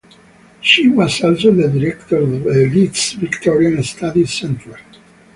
She was also the Director of the Leeds Victorian Studies Centre.